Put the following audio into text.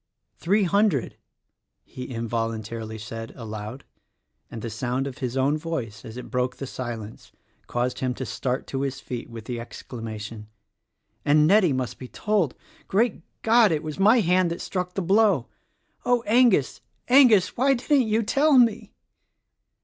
"Three hundred!" he involuntarily said, aloud; and the sound of his own voice as it broke the silence caused him to start to his feet with the exclamation, "And Nettie must be told! Great God: It was my hand that struck the blow ! Oh, Angus, Angus, why didn't you tell me."